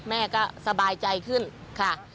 แม่ก็สบายใจขึ้นค่ะ